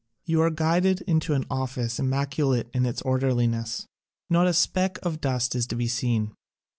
You are guided into an office immaculate in its orderliness. Not a speck of dust is to be seen.